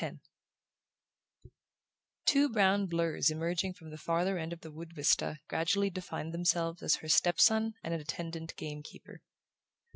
X Two brown blurs emerging from the farther end of the wood vista gradually defined themselves as her step son and an attendant game keeper.